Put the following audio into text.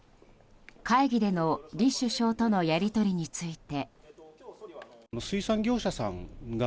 会議での李首相とのやり取りについて。